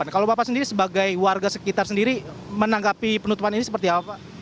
kalau bapak sendiri sebagai warga sekitar sendiri menanggapi penutupan ini seperti apa pak